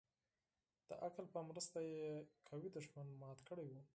د عقل په مرسته يې قوي دښمن مات كړى و.